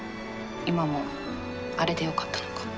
今もあれでよかったのか。